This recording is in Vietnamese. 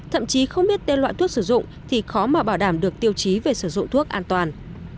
thậm chí không biết tên loại thuốc sử dụng thì khó mà bảo đảm được tiêu chí về sử dụng thuốc an toàn